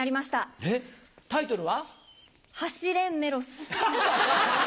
えっタイトルは？